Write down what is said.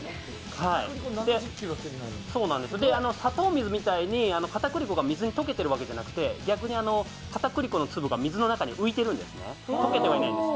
砂糖水みたいに片栗粉が水に溶けてるわけじゃなくて逆にかたくり粉の粒が水の中に浮いてるんですね、溶けてはないです。